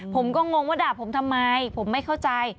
ผมก็งงว่าด่าผมทำไมผมไม่เข้าใจ